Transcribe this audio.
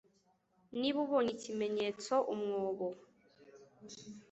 niba ubonye ikimenyetso umwobo